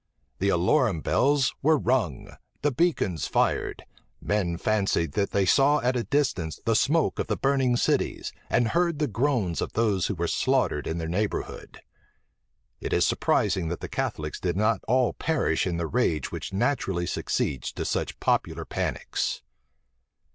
The alarum bells were rung; the beacons fired; men fancied that they saw at a distance the smoke of the burning cities, and heard the groans of those who were slaughtered in their neighborhood. It is surprising that the Catholics did not all perish in the rage which naturally succeeds to such popular panics.